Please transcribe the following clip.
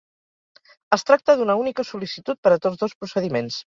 Es tracta d'una única sol·licitud per a tots dos procediments.